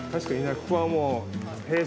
ここはもう。